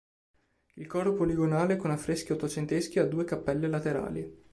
Il coro poligonale con affreschi ottocenteschi ha due cappelle laterali.